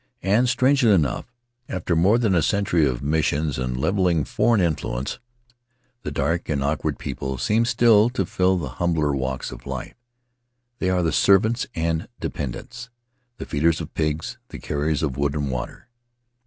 And, strangely enough, after more than a cen tury of missions and leveling foreign influence, the dark and awkward people seem still to fill the humbler walks of life — they are the servants and dependents, the feeders of pigs, the carriers of wood and water.